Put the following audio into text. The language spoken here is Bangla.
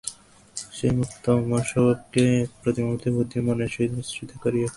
সেই মুক্ত স্বভাবকে প্রতি মুহূর্তে বুদ্ধি ও মনের সহিত মিশ্রিত করিয়া ফেলিতেছ।